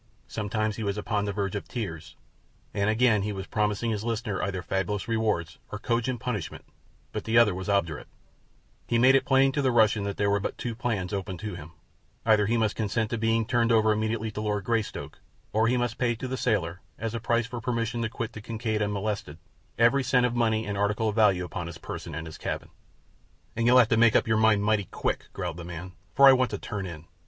Sometimes he was upon the verge of tears, and again he was promising his listener either fabulous rewards or condign punishment; but the other was obdurate. [condign: of equal value] He made it plain to the Russian that there were but two plans open to him—either he must consent to being turned over immediately to Lord Greystoke, or he must pay to the sailor, as a price for permission to quit the Kincaid unmolested, every cent of money and article of value upon his person and in his cabin. "And you'll have to make up your mind mighty quick," growled the man, "for I want to turn in.